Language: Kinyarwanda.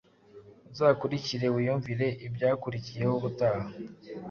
uzakurikire wiyumvire ibyakurikiyeho ubutaha .